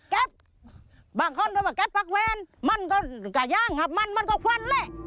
แก๊บบางคนว่ากับแก๊บพักแวนมันก็กระย่างหับมันมันก็ควันเลย